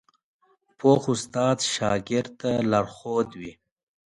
پوخ استاد شاګرد ته لارښود وي